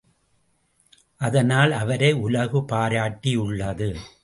அதனால் அவரை உலகு பாராட்டியுள்ளது.